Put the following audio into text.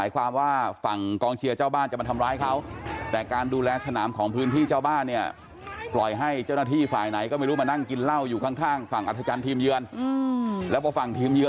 คนกลุ่มนี้ไม่ได้เกี่ยวอะไรกับเรา